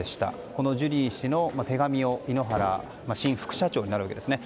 このジュリー氏の手紙を井ノ原新副社長になるわけですね